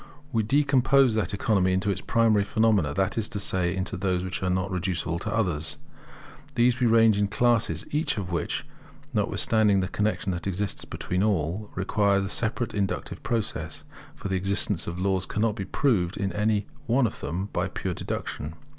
We decompose that economy into its primary phenomena, that is to say, into those which are not reducible to others. These we range in classes, each of which, notwithstanding the connexion that exists between all, requires a separate inductive process; for the existence of laws cannot be proved in any one of them by pure deduction.